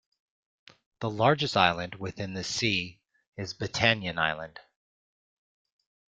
The largest island within this sea is Bantayan Island.